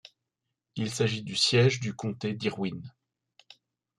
Il s'agit du siège du comté d'Irwin.